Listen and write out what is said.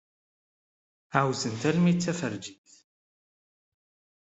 Ɛawzent armi d tafejrit.